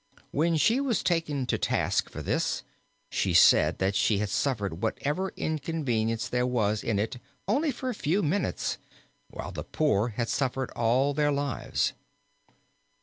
When she was taken to task for this, she said that she had suffered whatever inconvenience there was in it only for a few minutes while the poor had suffered all their lives.